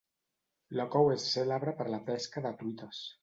Loch Awe és cèlebre per la pesca de truites.